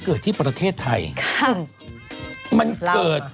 คุณหมอโดนกระช่าคุณหมอโดนกระช่า